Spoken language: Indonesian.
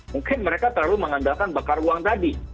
mungkin mereka terlalu mengandalkan bakar uang tadi